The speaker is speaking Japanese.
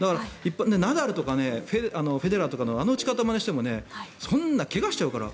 ナダルとかフェデラーとかあの打ち方をまねしてもそんな怪我しちゃうから。